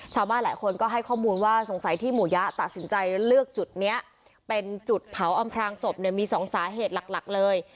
ชาวบ้านหลายคนก็ให้ข้อมูลว่าสงสัยที่หมู่ยะตัดสินใจเลือกจุดนี้เป็นจุดเผาอำพลางศพเนี่ยมีสองสาเหตุหลักหลักเลย